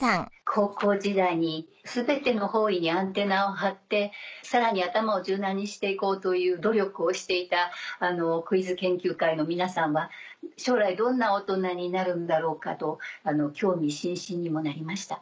高校時代に全ての方位にアンテナを張ってさらに頭を柔軟にして行こうという努力をしていたクイズ研究会の皆さんは将来どんな大人になるんだろうかと興味津々にもなりました。